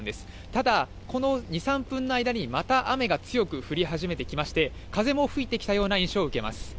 ただ、この２、３分の間に、また雨が強く降り始めてきまして、風も吹いてきたような印象を受けます。